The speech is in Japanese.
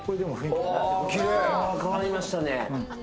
変わりましたね。